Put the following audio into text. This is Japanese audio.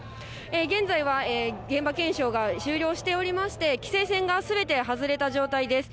現在は現場検証が終了しておりまして、規制線がすべて外れた状態です。